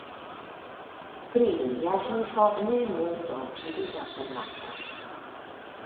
Pri lia vivo ne multo fidinda konatas.